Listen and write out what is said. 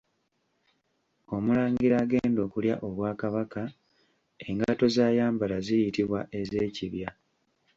Omulangira agenda okulya obwakabaka, engatto zaayambala ziyitibwa ez’ekibya.